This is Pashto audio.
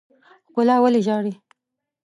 ښکلا ولې ژاړي.